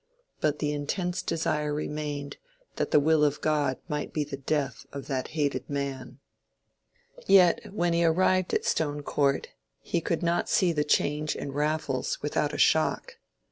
But the intense desire remained that the will of God might be the death of that hated man. Yet when he arrived at Stone Court he could not see the change in Raffles without a shock.